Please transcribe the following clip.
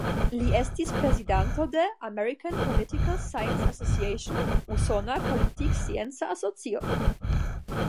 Li estis prezidanto de "American Political Science Association" (Usona Politkscienca Asocio).